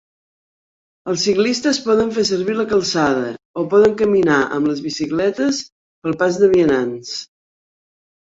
Els ciclistes poden fer servir la calçada o poden caminar amb les bicicletes pel pas de vianants.